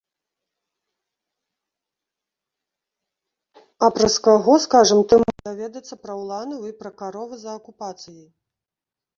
А праз каго, скажам, ты мог даведацца пра уланаў і пра каровы за акупацыяй?